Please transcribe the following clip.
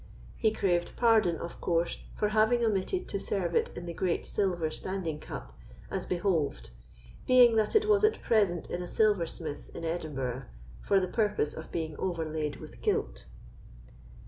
He craved pardon, of course, for having omitted to serve it in the great silver standing cup as behoved, being that it was at present in a silversmith's in Edinburgh, for the purpose of being overlaid with gilt.